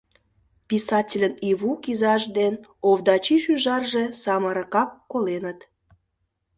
писательын Ивук изаж ден Овдачи шӱжарже самырыкак коленыт